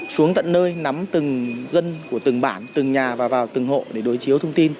xuống tận nơi nắm từng dân của từng bản từng nhà và vào từng hộ để đối chiếu thông tin